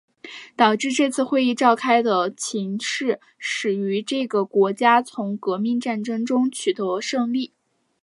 导致这次会议召开的情势始于这个国家从革命战争中取得胜利。